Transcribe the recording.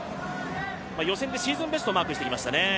予選でシーズンベストをマークしてきましたね。